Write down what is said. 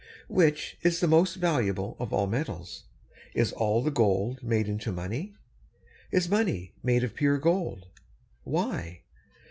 Which is the most valuable of all metals? Is all the gold made into money? Is money made of pure gold? Why?